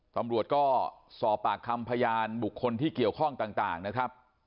ตำรวจก็สอบปากคำพยานบุคคลที่เกี่ยวข้องต่างนะครับ